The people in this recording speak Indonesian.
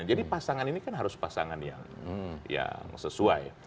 jadi pasangan ini kan harus pasangan yang sesuai